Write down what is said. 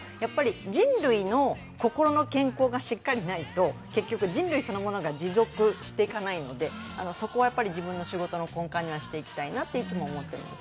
人類の心の健康がしっかりとないと結局人類そのものが持続していかないのでそこは自分の仕事の根幹にしていきたいなといつも思ってます。